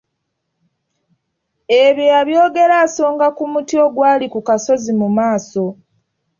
Ebyo yabyogera asonga ku muti ogwali ku kasozi mu maaso.